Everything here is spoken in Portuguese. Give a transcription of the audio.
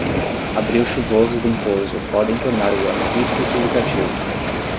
Abril chuvoso e ventoso podem tornar o ano rico e lucrativo.